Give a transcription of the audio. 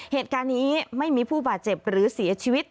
เหตุการณ์นี้ไม่มีผู้บาดเจ็บหรือเสียชีวิต